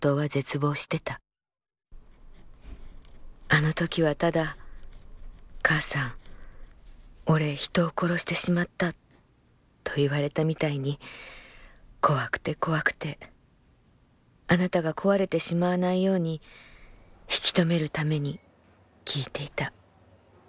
あの時はただ『母さん俺人を殺してしまった』と言われたみたいに怖くて怖くてあなたが壊れてしまわないように引き止めるために聞いていた。